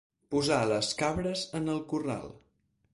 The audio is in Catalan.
Posar les cabres en el corral.